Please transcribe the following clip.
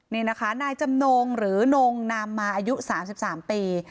นี่นะคะนายจำนงหรือนงนามมาอายุ๓๓ปี